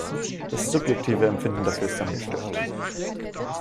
Das subjektive Empfinden dafür ist dann gestört.